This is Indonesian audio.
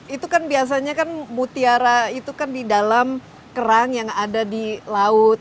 itu kan biasanya kan mutiara itu kan di dalam kerang yang ada di laut